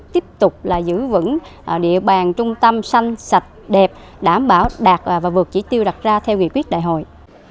tiếp tục là giữ vững địa bàn trung tâm xanh sạch đẹp đảm bảo đạt và vượt chỉ tiêu đặt ra theo nghị quyết đại hội